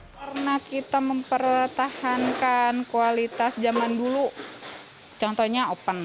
karena kita mempertahankan kualitas zaman dulu contohnya open